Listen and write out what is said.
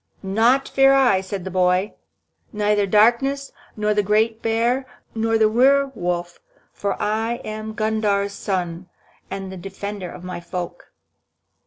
"Naught fear I," said the boy, "neither darkness, nor the great bear, nor the were wolf. For I am Gundhar's son, and the defender of my folk."